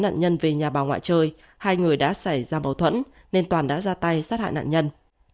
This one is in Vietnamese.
nạn nhân về nhà bà ngoại chơi hai người đã xảy ra mâu thuẫn nên toàn đã ra tay sát hại nạn nhân